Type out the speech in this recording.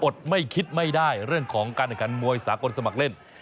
ไม่คิดไม่ได้เรื่องของการแข่งขันมวยสากลสมัครเล่น